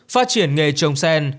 phát triển nghề trồng sen